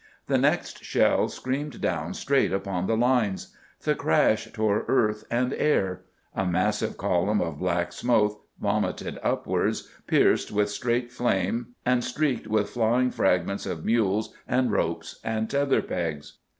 The next shell screamed down straight upon the lines. The crash tore earth and air. A massive column of black smoke vomited upwards, pierced with straight flame and streaked with flying fragments of mules and ropes and tether pegs.